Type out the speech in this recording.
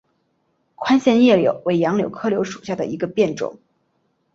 宽线叶柳为杨柳科柳属下的一个变种。